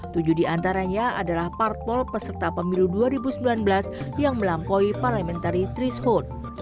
tujuh di antaranya adalah partpol peserta pemilu dua ribu sembilan belas yang melampaui parlamentari trish holt